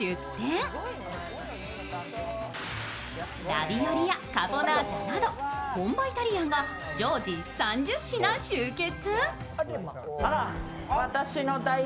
ラビオリやカポナータなど本場イタリアンが常時３０品集結。